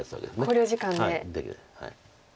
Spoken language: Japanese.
考慮時間で。